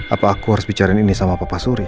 apa aku harus bicara ini sama papa surya